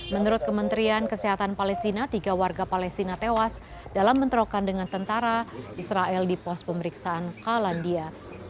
menurut kementerian kesehatan palestina tiga warga palestina tewas dalam bentrokan dengan tentara israel di pos pemeriksaan kalandia